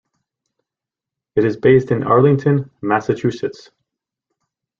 It is based in Arlington, Massachusetts.